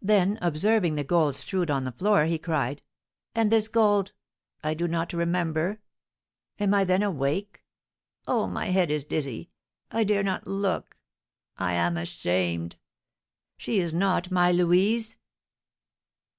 Then, observing the gold strewed on the floor, he cried, "And this gold! I do not remember, am I then awake? Oh, my head is dizzy! I dare not look, I am ashamed! She is not my Louise!"